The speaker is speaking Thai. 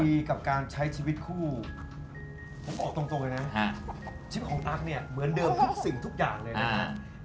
กับการใช้ชีวิตคู่ผมบอกตรงเลยนะชีวิตของตั๊กเนี่ยเหมือนเดิมทุกสิ่งทุกอย่างเลยนะฮะ